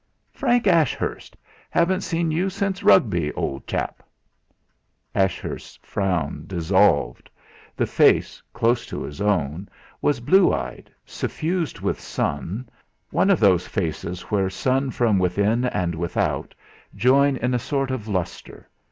"Frank Ashurst! Haven't seen you since Rugby, old chap!" Ashurst's frown dissolved; the face, close to his own, was blue eyed, suffused with sun one of those faces where sun from within and without join in a sort of lustre.